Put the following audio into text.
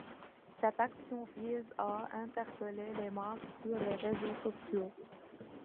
Cette action vise à interpeller les marques sur les réseaux sociaux.